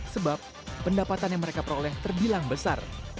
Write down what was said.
sebab pendapatan yang mereka peroleh terbilang besar